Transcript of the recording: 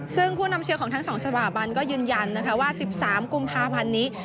ซึ่งผู้นำเชียร์ของทั้ง๒สถาบันก็ยืนยันนะคะว่า๑๓กุมภาพันธ์นี้